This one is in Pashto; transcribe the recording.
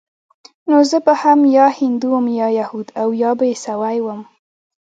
نو زه به هم يا هندو وم يا يهود او يا به عيسوى وم.